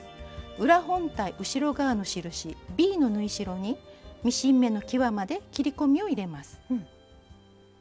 裏本体後ろ側の印ｂの縫い代にミシン目のきわまで切り込みを入れます。